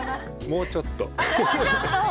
もうちょっとか。